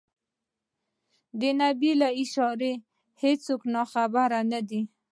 د نبي له اشارې څوک ناخبر نه دي.